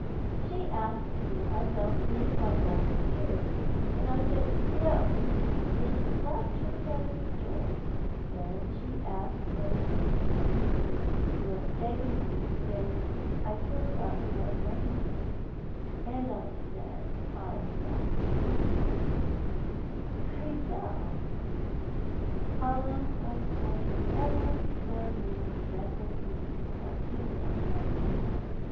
"She asked me if I felt any of my old fear of you, and I said No, and then she clapped her hands with joy. And she asked whether you looked at me as if you were begging me to say I still thought you a wonder, and I said I thought you did " "Grizel!" "Oh, I told her ever so many dreadful things as soon as I found them out.